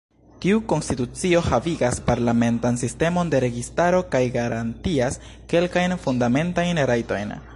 Tiu konstitucio havigas parlamentan sistemon de registaro kaj garantias kelkajn fundamentajn rajtojn.